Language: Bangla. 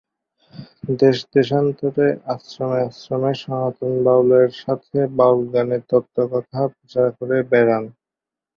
দেশ-দেশান্তরে, আশ্রমে- আশ্রমে সনাতন বাউল এর সাথে বাউল গান এর তত্ত্ব কথা প্রচার করে বেরান।